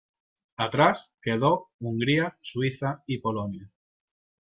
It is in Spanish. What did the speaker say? Atrás quedó Hungría, Suiza y Polonia.